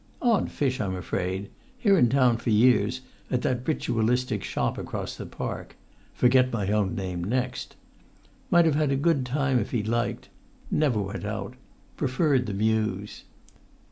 "Odd fish, I'm afraid. Here in town for years, at that ritualistic shop across the park—forget my own name next. Might have had a good time if he'd liked. Never went out. Preferred the mews.